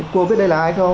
cô biết đây là ai không